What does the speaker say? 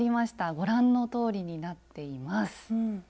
ご覧のとおりになっています。